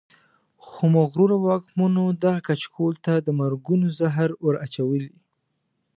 خو مغرورو واکمنو دغه کچکول ته د مرګونو زهر ور اچولي.